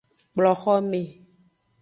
Kplo xome.